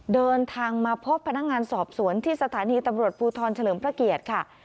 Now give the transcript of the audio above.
เดินทางมาพบพนักงานสอบสวนที่สถานีตำรวจภูทรเฉลิมพระเกียรติค่ะ